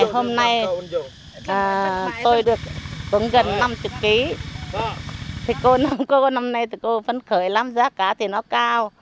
hôm nay tôi được gần năm mươi kg thì cô năm nay thì cô vẫn khởi lắm giá cá thì nó cao